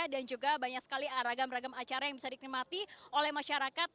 dan juga banyak sekali beragam agam acara yang bisa diiklimati oleh masyarakat